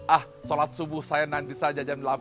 ah sholat subuh saya nanti saja jam delapan